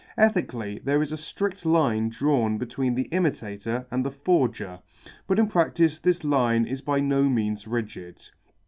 Ethically, there is a strict line drawn between the imitator and the forger, but in practice this line is by no means rigid.